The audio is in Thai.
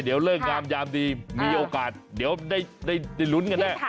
เดี๋ยวเลิกงามยามดีมีโอกาสเดี๋ยวได้ลุ้นกันแน่